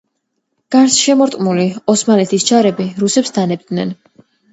გარსშემორტყმული ოსმალეთის ჯარები რუსებს დანებდნენ.